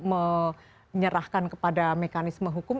menyerahkan kepada mekanisme hukum